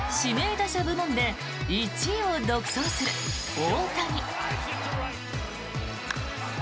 打者部門で１位を独走する大谷。